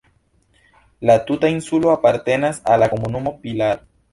La tuta insulo apartenas al la komunumo Pilar.